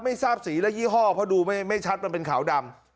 ไม่ทราบสีและยี่ห้อเพราะดูไม่ชัดมันเป็นขาวดำ